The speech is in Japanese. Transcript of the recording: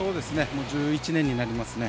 もう１１年になりますね。